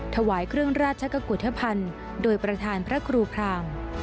ถวายเครื่องราชกุธภัณฑ์โดยประธานพระครูพราง